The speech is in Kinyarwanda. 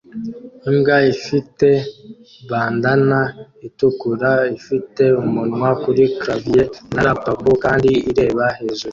Imbwa ifite bandanna itukura ifite umunwa kuri clavier ya laptop kandi ireba hejuru